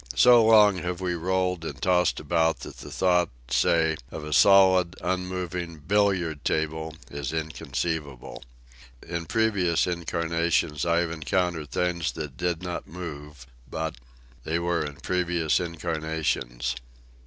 So long have we rolled and tossed about that the thought, say, of a solid, unmoving billiard table is inconceivable. In previous incarnations I have encountered things that did not move, but ... they were in previous incarnations.